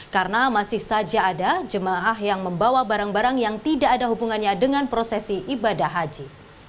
karena masih saja ada jemaah yang membawa barang barang yang tidak ada hubungannya dengan prosesi ibadah haji